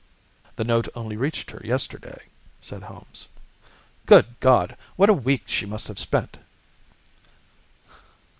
"That note only reached her yesterday," said Holmes. "Good God! What a week she must have spent!"